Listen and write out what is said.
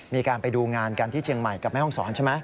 มีการไปดูงานกันที่เชียงใหม่กับแม่ห้องศรใช่ไหม